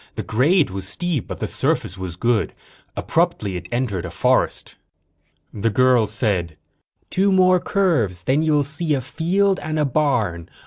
The grade was steep but the surface was good. Abruptly, it entered a forest. The girl said: "Two more curves. Then you'll see a field and a barn.